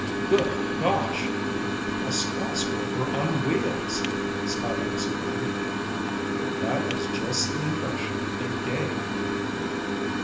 "Good gosh, a skyscraper on wheels," Scotty exclaimed. And that was just the impression it gave.